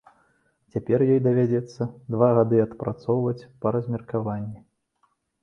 Цяпер ёй давядзецца два гады адпрацоўваць па размеркаванні.